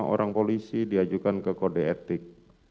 sembilan puluh lima orang polisi diajukan ke kode etik